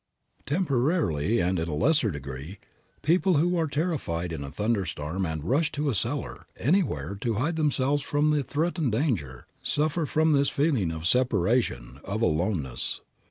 Temporarily, and in a lesser degree, people who are terrified in a thunder storm and rush to a cellar, anywhere to hide themselves from threatened danger, suffer from this feeling of separation, of aloneness.